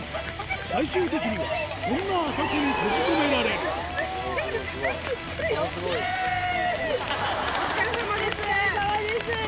最終的にはこんな浅瀬に閉じ込められるえぇ！